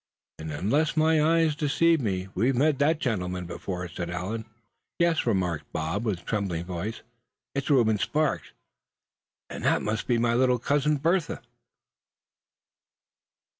"And unless my eyes deceive me, we've met that gentleman before," said Allan. "Yes," remarked Bob, with trembling voice, "it's Reuben Sparks; and that must be my little cousin, Bertha!"